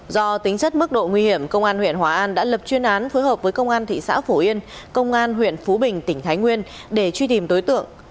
do tính chất mức độ nguy hiểm công an huyện hòa an đã lập chuyên án phối hợp với công an thị xã phổ yên công an huyện phú bình tỉnh thái nguyên để truy tìm đối tượng